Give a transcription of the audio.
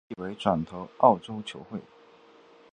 季尾转投澳洲球会。